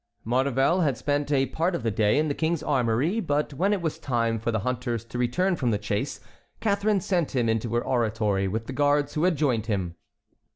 Maurevel had spent a part of the day in the King's armory; but when it was time for the hunters to return from the chase Catharine sent him into her oratory with the guards who had joined him.